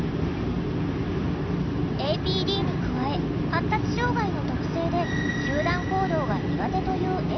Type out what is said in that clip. ＡＰＤに加え発達障害の特性で集団行動が苦手という笑